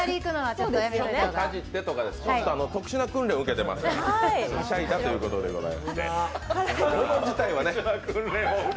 ちょっとかじってとかですから、特殊な訓練を受けてますからはしゃいだということでございまして。